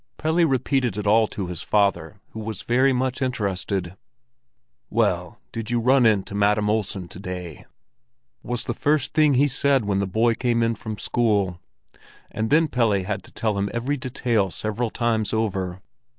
Pelle repeated it all to his father, who was very much interested. "Well, did you run in to Madam Olsen to day?" was the first thing he said when the boy came in from school; and then Pelle had to tell him every detail several times over.